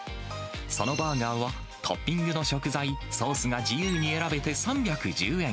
そのバーガーはトッピングの食材、ソースが自由に選べて３１０円。